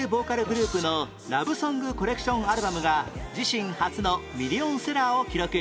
グループのラブソングコレクションアルバムが自身初のミリオンセラーを記録